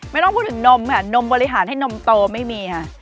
ไม่ต้องพูดถึงนมค่ะนมบริหารให้นมโตไม่มีค่ะ